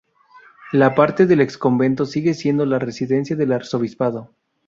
La parte del exconvento sigue siendo la residencia del arzobispado.